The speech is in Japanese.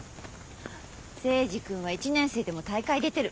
征二君は１年生でも大会出てる。